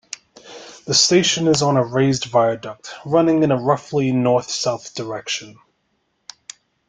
The station is on a raised viaduct running in a roughly north-south direction.